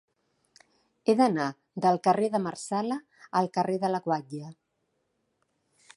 He d'anar del carrer de Marsala al carrer de la Guatlla.